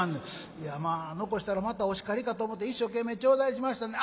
「いやまあ残したらまたお叱りかと思て一生懸命頂戴しましたんで」。